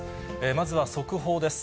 まずは速報です。